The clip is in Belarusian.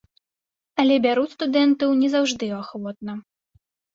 Але бяруць студэнтаў не заўжды ахвотна.